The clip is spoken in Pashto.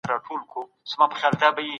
هغوی د نوي سياسي ايډيالوژۍ پر جوړولو بوخت وو.